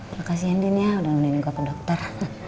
makasih ya din ya udah menemani gue ke dokter